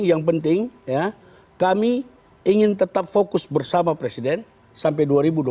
yang penting kami ingin tetap fokus bersama presiden sampai dua ribu dua puluh empat